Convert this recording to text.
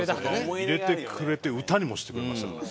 入れてくれて歌にもしてくれましたから。